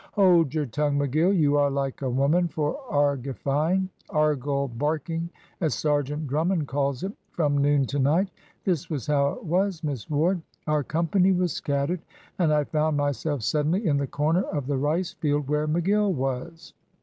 "Hold your tongue, McGill you are like a woman for argifying argle barking, as Sergeant Drummond calls it from noon to night. This was how it was, Miss Ward. Our company was scattered, and I found myself suddenly in the corner of the rice field where McGill was.